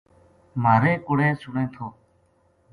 مھارے کوڑے سنے تھو